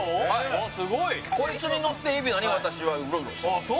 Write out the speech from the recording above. あっすごいこいつに乗って海老名に私はウロウロしてますああ